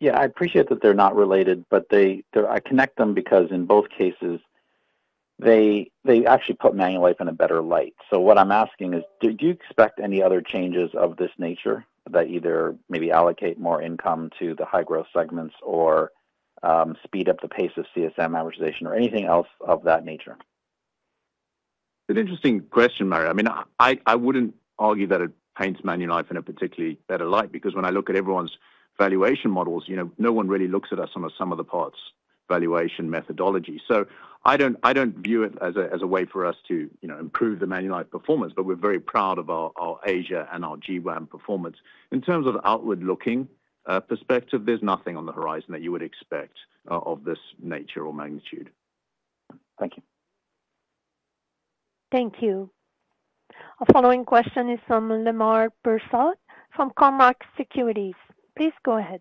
Yeah, I appreciate that they're not related, but I connect them because in both cases, they actually put Manulife in a better light. So what I'm asking is, do you expect any other changes of this nature that either maybe allocate more income to the high-growth segments or speed up the pace of CSM amortization or anything else of that nature? It's an interesting question, Mario. I mean, I wouldn't argue that it paints Manulife in a particularly better light because when I look at everyone's valuation models, no one really looks at us on a sum of the parts valuation methodology. So I don't view it as a way for us to improve the Manulife performance. But we're very proud of our Asia and our GWAM performance. In terms of outward-looking perspective, there's nothing on the horizon that you would expect of this nature or magnitude. Thank you. Thank you. A following question is from Lemar Persaud from Cormark Securities. Please go ahead.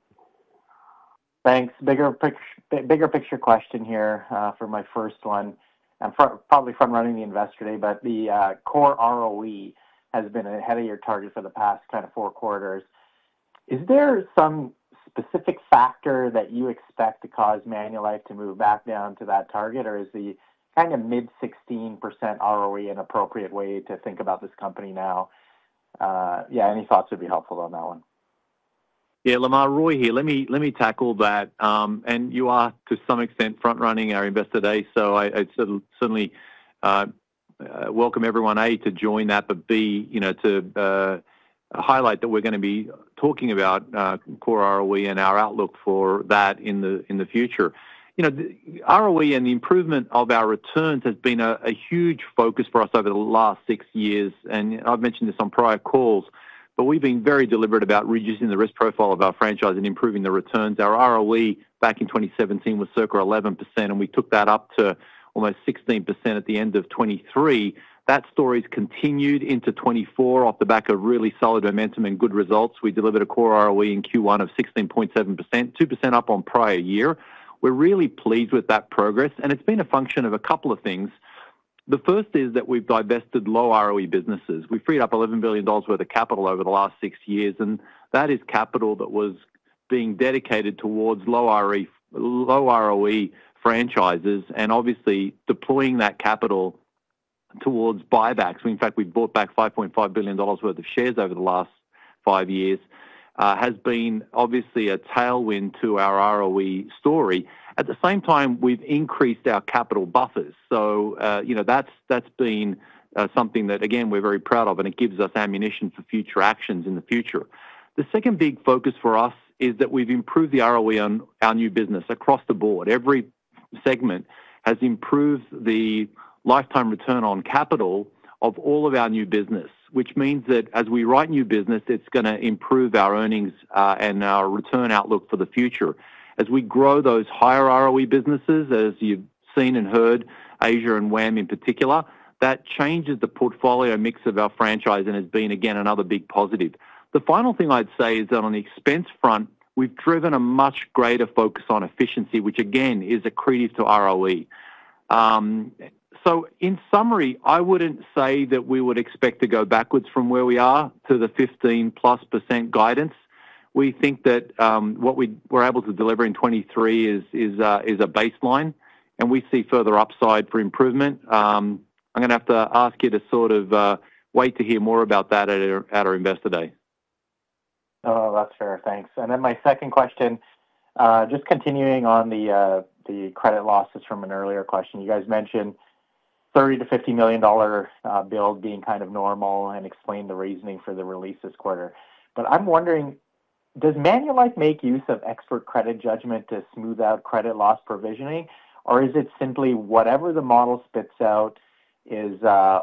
Thanks. Bigger picture question here for my first one. I'm probably front-running the Investor Day, but the Core ROE has been a headache target for the past kind of four quarters. Is there some specific factor that you expect to cause Manulife to move back down to that target, or is the kind of mid-16% Core ROE an appropriate way to think about this company now? Yeah, any thoughts would be helpful on that one. Yeah, Lemar, Roy here. Let me tackle that. You are, to some extent, front-running our Investor Day. So I'd certainly welcome everyone, A, to join that, but B, to highlight that we're going to be talking about core ROE and our outlook for that in the future. ROE and the improvement of our returns has been a huge focus for us over the last six years. I've mentioned this on prior calls, but we've been very deliberate about reducing the risk profile of our franchise and improving the returns. Our ROE back in 2017 was circa 11%, and we took that up to almost 16% at the end of 2023. That story's continued into 2024 off the back of really solid momentum and good results. We delivered a core ROE in Q1 of 16.7%, 2% up on prior year. We're really pleased with that progress. It's been a function of a couple of things. The first is that we've divested low-ROE businesses. We freed up 11 billion dollars worth of capital over the last 6 years. That is capital that was being dedicated towards low-ROE franchises. Obviously, deploying that capital towards buybacks - in fact, we've bought back 5.5 billion dollars worth of shares over the last 5 years - has been obviously a tailwind to our ROE story. At the same time, we've increased our capital buffers. That's been something that, again, we're very proud of, and it gives us ammunition for future actions in the future. The second big focus for us is that we've improved the ROE on our new business across the board. Every segment has improved the lifetime return on capital of all of our new business, which means that as we write new business, it's going to improve our earnings and our return outlook for the future. As we grow those higher-ROE businesses, as you've seen and heard, Asia and WAM in particular, that changes the portfolio mix of our franchise and has been, again, another big positive. The final thing I'd say is that on the expense front, we've driven a much greater focus on efficiency, which, again, is a contributor to ROE. So in summary, I wouldn't say that we would expect to go backwards from where we are to the 15%+ guidance. We think that what we're able to deliver in 2023 is a baseline, and we see further upside for improvement. I'm going to have to ask you to sort of wait to hear more about that at our Investor Day. Oh, that's fair. Thanks. And then my second question, just continuing on the credit losses from an earlier question, you guys mentioned 30 million-50 million dollar being kind of normal and explained the reasoning for the release this quarter. But I'm wondering, does Manulife make use of expert credit judgment to smooth out credit loss provisioning, or is it simply whatever the model spits out is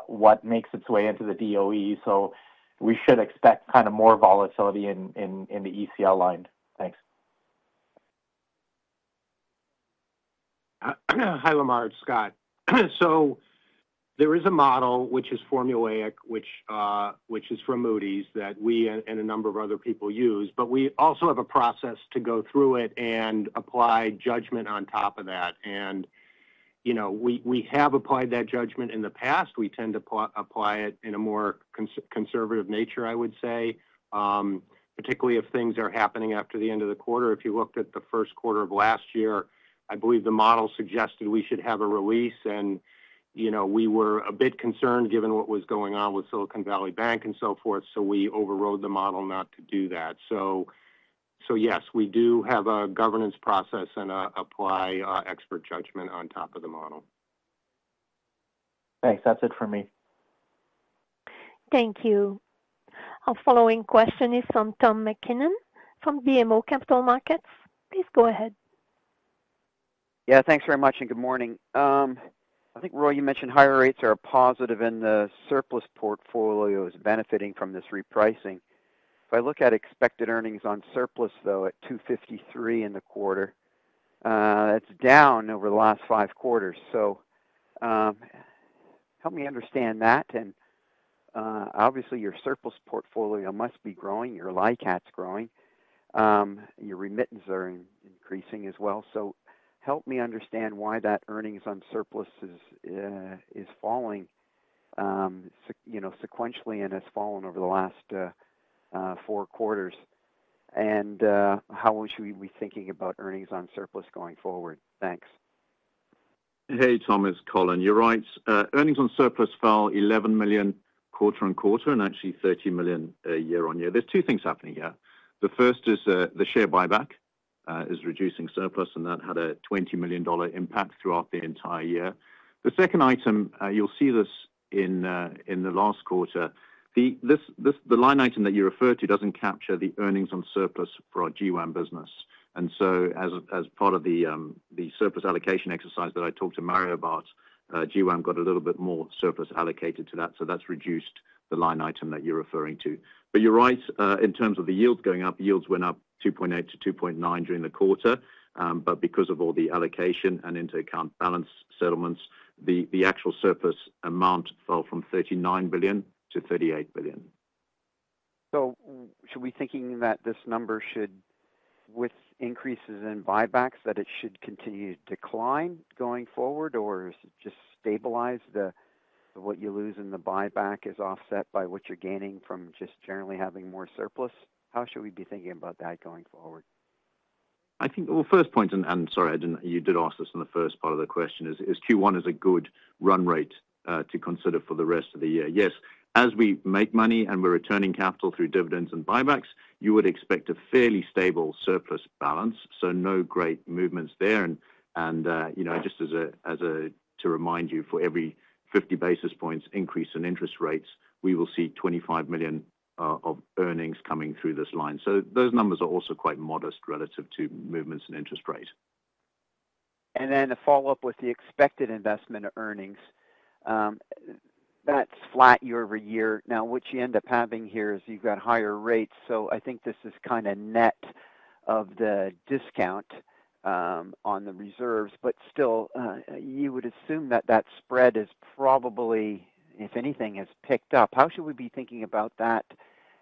what makes its way into the P&L? So we should expect kind of more volatility in the ECL line. Thanks. Hi, Lemar. It's Scott. So there is a model, which is Formulaic, which is from Moody's, that we and a number of other people use. But we also have a process to go through it and apply judgment on top of that. And we have applied that judgment in the past. We tend to apply it in a more conservative nature, I would say, particularly if things are happening after the end of the quarter. If you looked at the first quarter of last year, I believe the model suggested we should have a release. And we were a bit concerned given what was going on with Silicon Valley Bank and so forth. So we overrode the model not to do that. So yes, we do have a governance process and apply expert judgment on top of the model. Thanks. That's it for me. Thank you. A following question is from Tom MacKinnon from BMO Capital Markets. Please go ahead. Yeah, thanks very much and good morning. I think, Roy, you mentioned higher rates are a positive, and the surplus portfolio is benefiting from this repricing. If I look at expected earnings on surplus, though, at 253 in the quarter, that's down over the last five quarters. So help me understand that. And obviously, your surplus portfolio must be growing. Your LICAT's growing. Your remittance is increasing as well. So help me understand why that earnings on surplus is falling sequentially and has fallen over the last four quarters. And how should we be thinking about earnings on surplus going forward? Thanks. Hey, Tom, it's Colin. You're right. Earnings on surplus fell 11 million quarter-over-quarter and actually 30 million year-over-year. There are two things happening here. The first is the share buyback is reducing surplus, and that had a 20 million dollar impact throughout the entire year. The second item, you'll see this in the last quarter, the line item that you referred to doesn't capture the earnings on surplus for our GWAM business. And so as part of the surplus allocation exercise that I talked to Mario about, GWAM got a little bit more surplus allocated to that. So that's reduced the line item that you're referring to. But you're right. In terms of the yields going up, yields went up 2.8%-2.9% during the quarter. But because of all the allocation and into-account balance settlements, the actual surplus amount fell from 39 billion to 38 billion. Should we be thinking that this number should, with increases in buybacks, that it should continue to decline going forward, or is it just stabilized that what you lose in the buyback is offset by what you're gaining from just generally having more surplus? How should we be thinking about that going forward? Well, first point - and sorry, you did ask this in the first part of the question - is Q1 is a good run rate to consider for the rest of the year. Yes, as we make money and we're returning capital through dividends and buybacks, you would expect a fairly stable surplus balance. So no great movements there. And just as a to remind you, for every 50 basis points increase in interest rates, we will see 25 million of earnings coming through this line. So those numbers are also quite modest relative to movements in interest rate. Then to follow up with the expected investment earnings, that's flat year-over-year. Now, what you end up having here is you've got higher rates. So I think this is kind of net of the discount on the reserves. But still, you would assume that that spread is probably, if anything, has picked up. How should we be thinking about that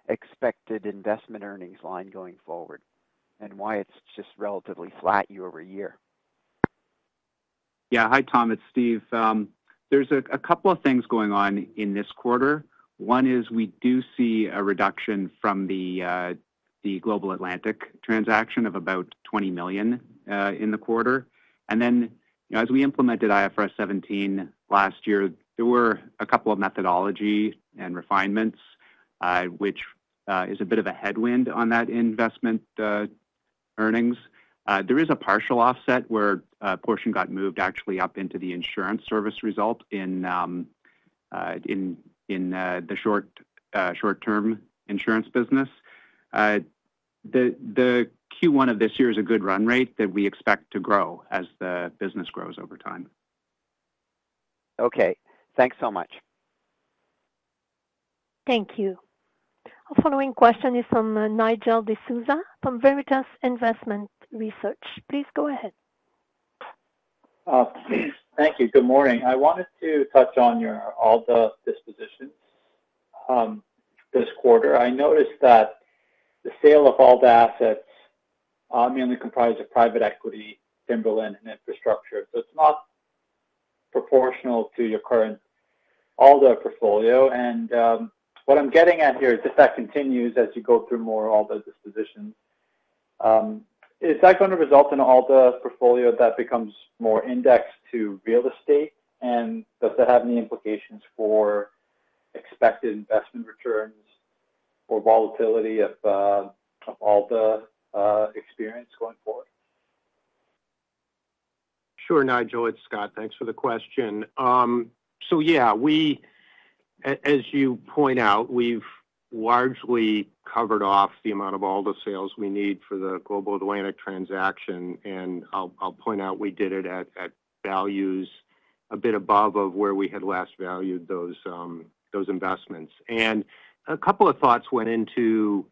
expected investment earnings line going forward and why it's just relatively flat year-over-year? Yeah, hi, Tom. It's Steve. There's a couple of things going on in this quarter. One is we do see a reduction from the Global Atlantic transaction of about 20 million in the quarter. Then as we implemented IFRS 17 last year, there were a couple of methodology and refinements, which is a bit of a headwind on that investment earnings. There is a partial offset where a portion got moved actually up into the insurance service result in the short-term insurance business. The Q1 of this year is a good run rate that we expect to grow as the business grows over time. Okay. Thanks so much. Thank you. A following question is from Nigel D'Souza from Veritas Investment Research. Please go ahead. Thank you. Good morning. I wanted to touch on all the dispositions this quarter. I noticed that the sale of all the assets mainly comprised of private equity, Timberland, and infrastructure. So it's not proportional to your current ALDA portfolio. And what I'm getting at here is if that continues as you go through more ALDA dispositions, is that going to result in ALDA portfolio that becomes more indexed to real estate? And does that have any implications for expected investment returns or volatility of ALDA experience going forward? Sure, Nigel. It's Scott. Thanks for the question. So yeah, as you point out, we've largely covered off the amount of ALDA sales we need for the Global Atlantic transaction. And I'll point out we did it at values a bit above of where we had last valued those investments. And a couple of thoughts went into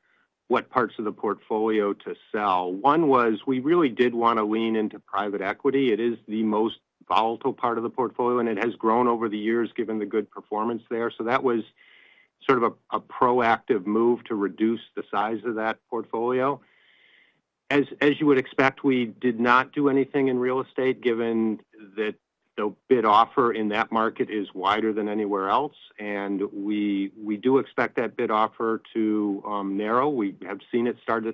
what parts of the portfolio to sell. One was we really did want to lean into private equity. It is the most volatile part of the portfolio, and it has grown over the years given the good performance there. So that was sort of a proactive move to reduce the size of that portfolio. As you would expect, we did not do anything in real estate given that the bid offer in that market is wider than anywhere else. And we do expect that bid offer to narrow. We have seen it start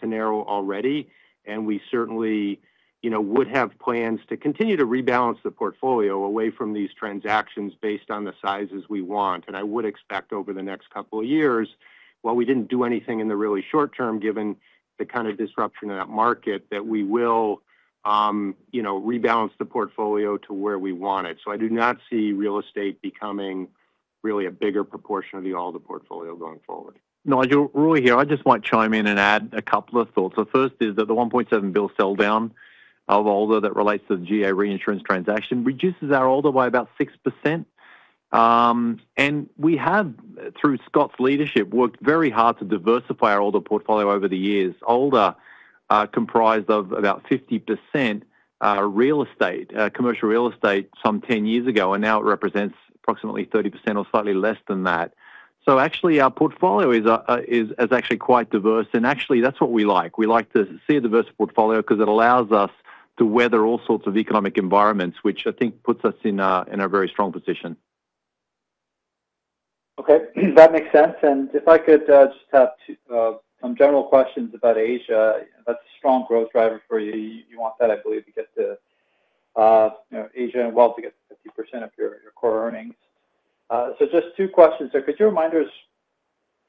to narrow already. We certainly would have plans to continue to rebalance the portfolio away from these transactions based on the sizes we want. I would expect over the next couple of years, well, we didn't do anything in the really short term given the kind of disruption in that market that we will rebalance the portfolio to where we want it. So I do not see real estate becoming really a bigger proportion of the ALDA portfolio going forward. Nigel, Roy here. I just want to chime in and add a couple of thoughts. The first is that the 1.7 billion sell down of ALDA that relates to the GA reinsurance transaction reduces our ALDA by about 6%. And we have, through Scott's leadership, worked very hard to diversify our ALDA portfolio over the years. ALDA comprised of about 50% commercial real estate some 10 years ago, and now it represents approximately 30% or slightly less than that. So actually, our portfolio is actually quite diverse. And actually, that's what we like. We like to see a diverse portfolio because it allows us to weather all sorts of economic environments, which I think puts us in a very strong position. Okay. That makes sense. If I could just have some general questions about Asia. That's a strong growth driver for you. You want that, I believe, to get to Asia and wealth to get to 50% of your core earnings. Just two questions. Could you remind us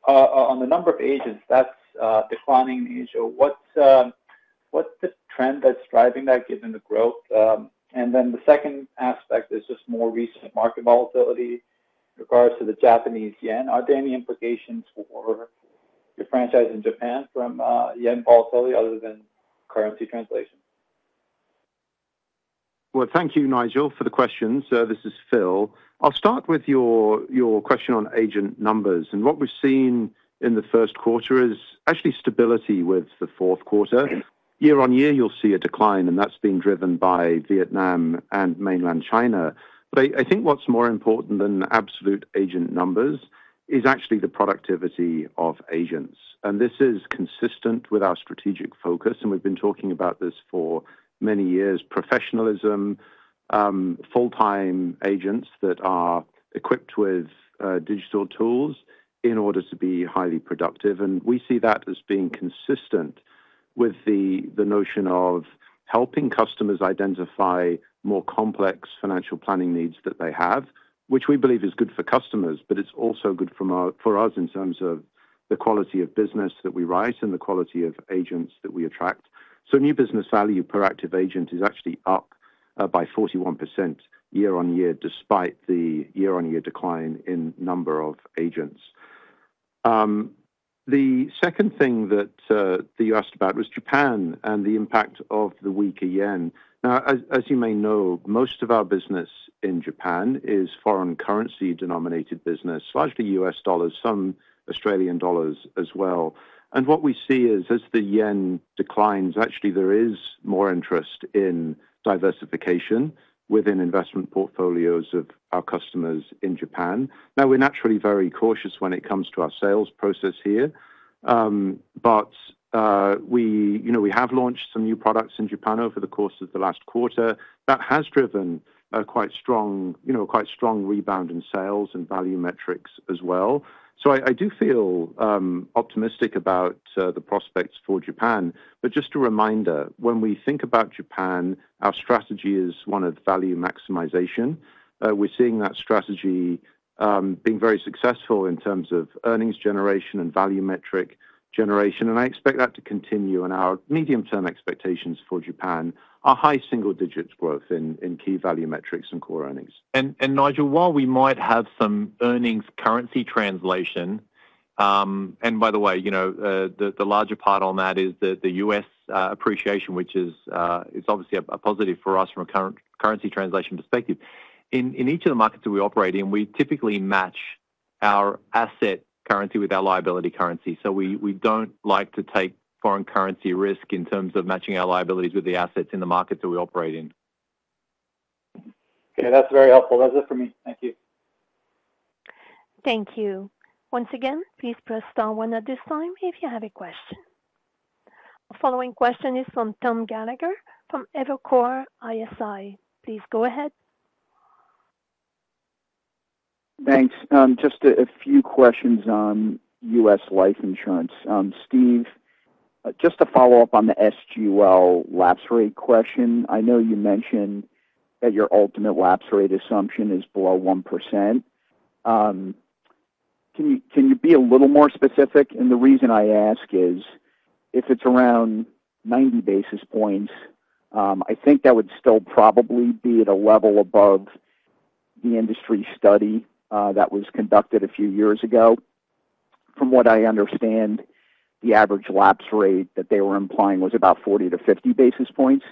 on the number of agents that's declining in Asia, what's the trend that's driving that given the growth? And then the second aspect is just more recent market volatility in regards to the Japanese Yen. Are there any implications for your franchise in Japan from yen volatility other than currency translation? Well, thank you, Nigel, for the questions. This is Phil. I'll start with your question on agent numbers. What we've seen in the first quarter is actually stability with the fourth quarter. Year-on-year, you'll see a decline, and that's being driven by Vietnam and Mainland China. But I think what's more important than absolute agent numbers is actually the productivity of agents. This is consistent with our strategic focus. We've been talking about this for many years: professionalism, full-time agents that are equipped with digital tools in order to be highly productive. We see that as being consistent with the notion of helping customers identify more complex financial planning needs that they have, which we believe is good for customers. It's also good for us in terms of the quality of business that we write and the quality of agents that we attract. So new business value per active agent is actually up by 41% year-on-year despite the year-on-year decline in number of agents. The second thing that you asked about was Japan and the impact of the weaker yen. Now, as you may know, most of our business in Japan is foreign currency-denominated business, largely US dollars, some Australian dollars as well. And what we see is as the yen declines, actually, there is more interest in diversification within investment portfolios of our customers in Japan. Now, we're naturally very cautious when it comes to our sales process here. But we have launched some new products in Japan over the course of the last quarter. That has driven a quite strong rebound in sales and value metrics as well. So I do feel optimistic about the prospects for Japan. Just a reminder, when we think about Japan, our strategy is one of value maximization. We're seeing that strategy being very successful in terms of earnings generation and value metric generation. I expect that to continue. Our medium-term expectations for Japan are high single-digit growth in key value metrics and core earnings. Nigel, while we might have some earnings currency translation and by the way, the larger part on that is the U.S. appreciation, which is obviously a positive for us from a currency translation perspective. In each of the markets that we operate in, we typically match our asset currency with our liability currency. So we don't like to take foreign currency risk in terms of matching our liabilities with the assets in the markets that we operate in. Okay. That's very helpful. That's it for me. Thank you. Thank you. Once again, please press star one at this time if you have a question. A following question is from Tom Gallagher from Evercore ISI. Please go ahead. Thanks. Just a few questions on U.S. life insurance. Steve, just to follow up on the SGL lapse rate question, I know you mentioned that your ultimate lapse rate assumption is below 1%. Can you be a little more specific? And the reason I ask is if it's around 90 basis points, I think that would still probably be at a level above the industry study that was conducted a few years ago. From what I understand, the average lapse rate that they were implying was about 40-50 basis points.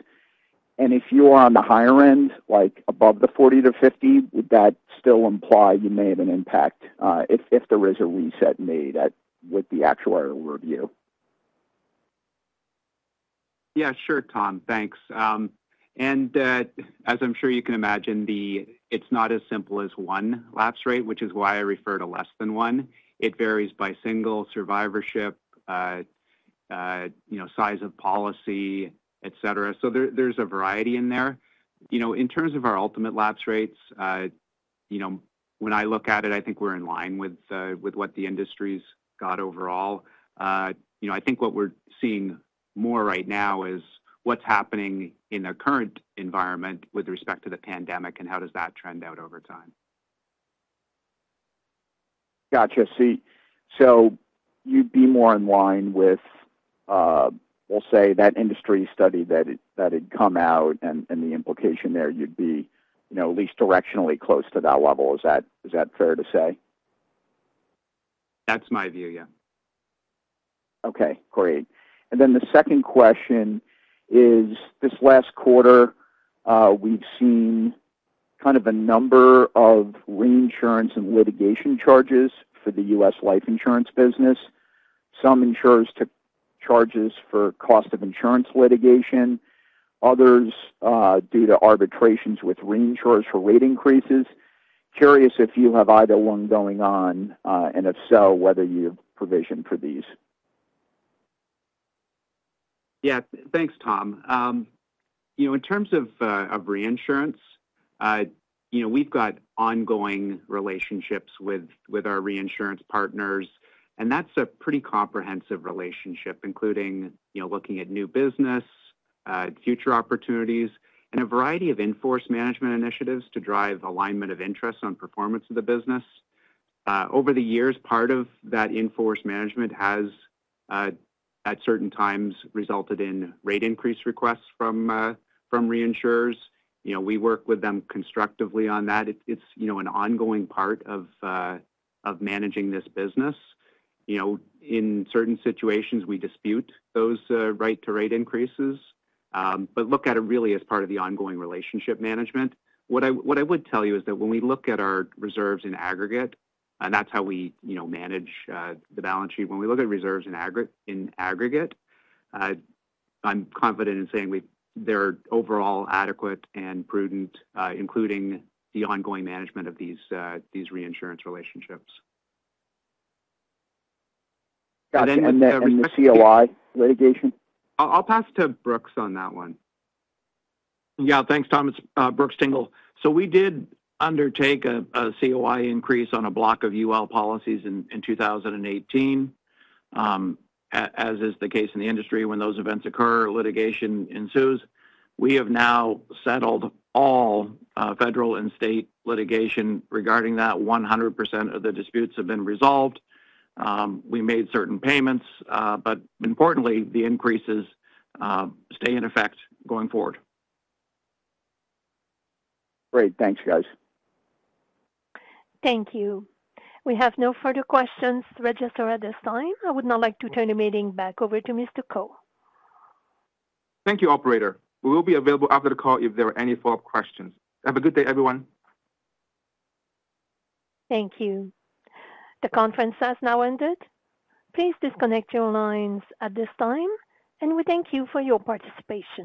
And if you are on the higher end, above the 40-50, would that still imply you may have an impact if there is a reset made with the actuarial review? Yeah, sure, Tom. Thanks. And as I'm sure you can imagine, it's not as simple as one lapse rate, which is why I refer to less than one. It varies by single survivorship, size of policy, etc. So there's a variety in there. In terms of our ultimate lapse rates, when I look at it, I think we're in line with what the industry's got overall. I think what we're seeing more right now is what's happening in the current environment with respect to the pandemic, and how does that trend out over time? Gotcha. So you'd be more in line with, we'll say, that industry study that had come out and the implication there, you'd be at least directionally close to that level. Is that fair to say? That's my view. Yeah. Okay. Great. And then the second question is this last quarter, we've seen kind of a number of reinsurance and litigation charges for the U.S. life insurance business. Some insurers took charges for cost of insurance litigation, others due to arbitrations with reinsurers for rate increases. Curious if you have either one going on, and if so, whether you have provision for these? Yeah. Thanks, Tom. In terms of reinsurance, we've got ongoing relationships with our reinsurance partners. That's a pretty comprehensive relationship, including looking at new business, future opportunities, and a variety of inforce management initiatives to drive alignment of interests on performance of the business. Over the years, part of that inforce management has, at certain times, resulted in rate increase requests from reinsurers. We work with them constructively on that. It's an ongoing part of managing this business. In certain situations, we dispute those right to rate increases. But look at it really as part of the ongoing relationship management. What I would tell you is that when we look at our reserves in aggregate and that's how we manage the balance sheet. When we look at reserves in aggregate, I'm confident in saying they're overall adequate and prudent, including the ongoing management of these reinsurance relationships. Gotcha. And then with respect to. And then the COI litigation? I'll pass to Brooks on that one. Yeah. Thanks, Tom. It's Brooks Tingle. So we did undertake a COI increase on a block of UL policies in 2018. As is the case in the industry, when those events occur, litigation ensues. We have now settled all federal and state litigation regarding that. 100% of the disputes have been resolved. We made certain payments. But importantly, the increases stay in effect going forward. Great. Thanks, guys. Thank you. We have no further questions registered at this time. I would now like to turn the meeting back over to Mr. Ko. Thank you, operator. We will be available after the call if there are any follow-up questions. Have a good day, everyone. Thank you. The conference has now ended. Please disconnect your lines at this time. We thank you for your participation.